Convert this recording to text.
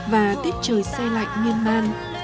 và tiết trời say lạnh nguyên man